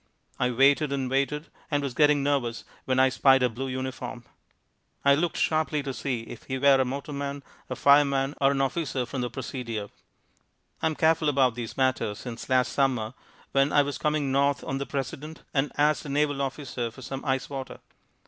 I waited and waited and was getting nervous when I spied a blue uniform. I looked sharply to see if he were a motorman, a fireman or an officer from the Presidio. I am careful about these matters since last summer when I was coming North on the President, and asked a naval officer for some ice water.